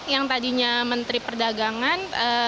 yang tadinya menteri perdagangan